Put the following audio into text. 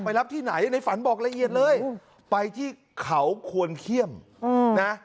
รับที่ไหนในฝันบอกละเอียดเลยไปที่เขาควรเขี้ยมนะ